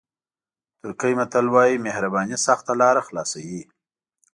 ترکي متل وایي مهرباني سخته لاره خلاصوي.